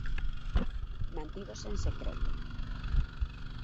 Mantívose en secreto.